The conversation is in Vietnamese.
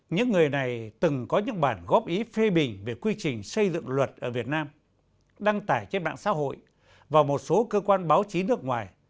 những người này từng có những bản góp ý phê bình về quy trình xây dựng luật ở việt nam đăng tải trên mạng xã hội và một số cơ quan báo chí nước ngoài